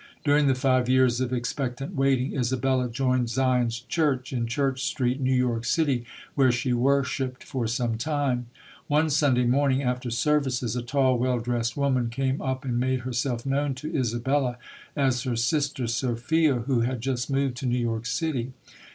During the five years of ex pectant waiting, Isabella joined Zion's Church, in Church Street, New York City, where she wor shiped for some time. One Sunday morning, after services, a tall, well dressed woman came up and made herself known to Isabella as her sister Sophia who had just moved to New York City.